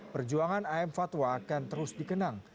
perjuangan am fatwa akan terus dikenang